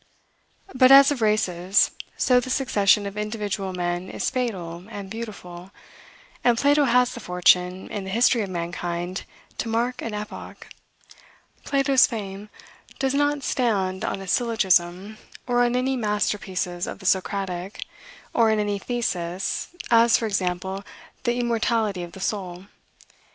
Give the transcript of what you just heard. But as of races, so the succession of individual men is fatal and beautiful, and Plato has the fortune, in the history of mankind, to mark an epoch. Plato's fame does not stand on a syllogism, or on any masterpieces of the Socratic, or on any thesis, as, for example, the immortality of the soul.